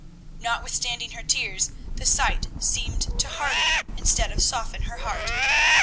Notwithstanding her tears, the sight seemed to harden instead of soften her heart.